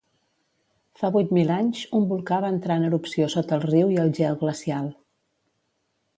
Fa vuit mil anys, un volcà va entrar en erupció sota el riu i el gel glacial.